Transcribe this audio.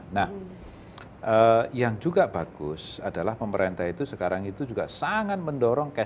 nah yang juga bagus adalah pemerintah itu sekarang itu juga sangat mendorong